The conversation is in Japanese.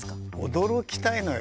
驚きたいのよ。